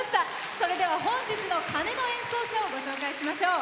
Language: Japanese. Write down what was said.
それでは本日の鐘の演奏者をご紹介しましょう。